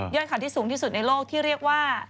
ข่าวที่สูงที่สุดในโลกที่เรียกว่า